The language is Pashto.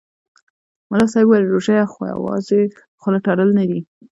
ملا صاحب ویل: روژه یوازې خوله تړل نه دي.